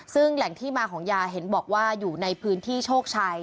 ซึ่งแหล่งที่มาของยาเห็นบอกว่าอยู่ในพื้นที่โชคชัย